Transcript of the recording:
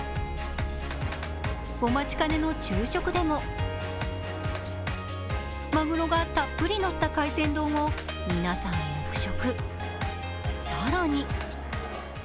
お待ちかねの昼食でも、まぐろがたっぷり載った海鮮丼を皆さん、黙食。